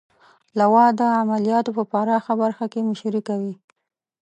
لوا د عملیاتو په پراخه برخه کې مشري کوي.